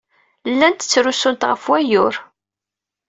Llant ttrusunt ɣef wayyur.